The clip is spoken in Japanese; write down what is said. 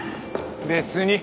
別に。